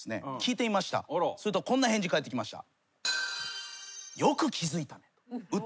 するとこんな返事返ってきました。